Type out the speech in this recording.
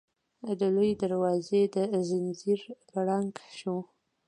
د لويي دروازې د ځنځير کړنګ شو.